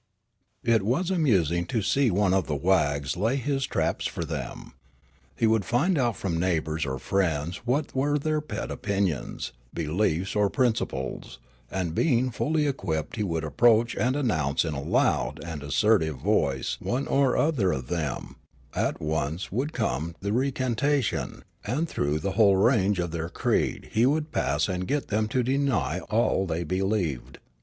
It was amusing to see one of the wags lay his traps 26o Riallaro for them. He would find out from neighbours or friends what were their pet opinions, beliefs, or prin ciples, and being fully equipped he would approach and announce in a loud and assertive voice one or other of them ; at once would come the recantation ; and through the whole range of their creed he would pass and get them to deny all they believed.